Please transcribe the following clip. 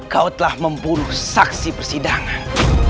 kau telah membunuh saksi persidangan